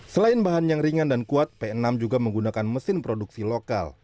selain bahan yang ringan dan kuat p enam juga menggunakan mesin produksi lokal